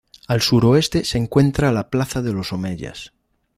Al suroeste se encuentra la Plaza de los Omeyas.